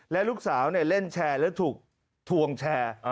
และลูกสาวเล่นแชร์แล้วถูกทวงแชร์